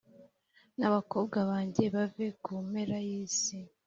n abakobwa banjye bave ku mpera y isi